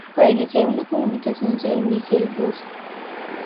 Para iniciar una comunicación se reinicia el bus.